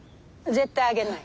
絶対あげない！